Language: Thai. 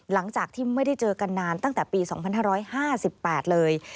หลังจากที่ไม่ได้เจอกันนานตั้งแต่ปี๒๕๕๘เลย